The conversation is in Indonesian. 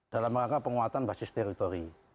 dalam rangka penguatan basis teritori